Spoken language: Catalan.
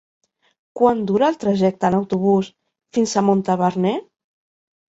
Quant dura el trajecte en autobús fins a Montaverner?